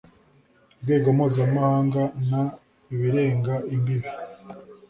rwego mpuzamahanga n ibirenga imbibi